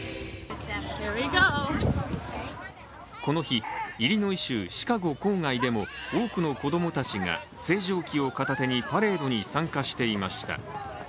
この日、イリノイ州シカゴ郊外でも多くの子供たちが星条旗を片手にパレードに参加していました。